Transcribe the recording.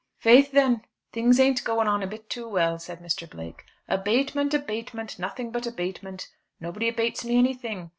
"Faith, then, things ain't going on a bit too well," said Mr. Blake. "Abatement, abatement, nothing but abatement! Nobody abates me anything.